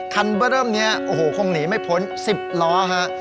เบอร์เริ่มนี้โอ้โหคงหนีไม่พ้น๑๐ล้อฮะ